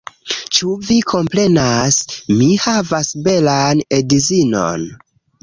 Ĉu vi komprenas? Mi havas belan edzinon